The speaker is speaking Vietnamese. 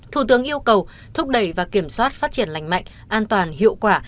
thủ tướng yêu cầu thúc đẩy và kiểm soát phát triển lành mạnh an toàn hiệu quả